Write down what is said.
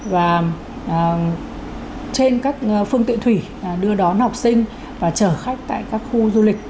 và trên các phương tiện thủy đưa đón học sinh và chở khách tại các khu du lịch